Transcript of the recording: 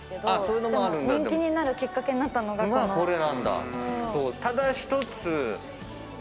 でも人気になるきっかけになったのがこの。